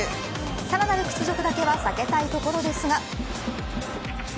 さらなる屈辱だけは避けたいところですが。